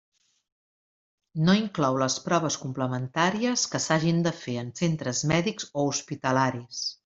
No inclou les proves complementàries que s'hagin de fer en centres mèdics o hospitalaris.